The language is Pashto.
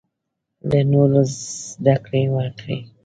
له نورو زده کړه وکړې.